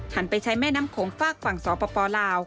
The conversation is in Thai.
ไปใช้แม่น้ำโขงฝากฝั่งสปลาว